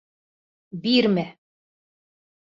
Бирмә!